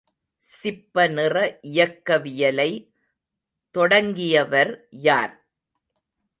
சிப்பநிற இயக்கவியலை தொடங்கியவர் யார்?